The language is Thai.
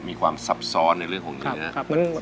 มีความสัมภาษณ์ในเรื่องของเนื้อ